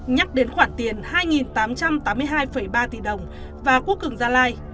nhắc đến khoản tiền hai tám trăm tám mươi hai ba tỷ đồng và quốc cường gia lai